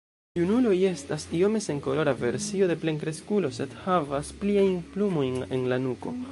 Junuloj estas iome senkolora versio de plenkreskulo sed havas pliajn plumojn en la nuko.